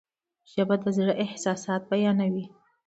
ژبه د زړه احساسات بیانوي.